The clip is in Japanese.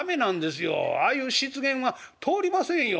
ああいう失言は通りませんよ。